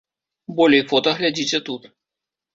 Болей фота глядзіце тут.